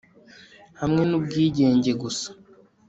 hamwe nubwigenge gusa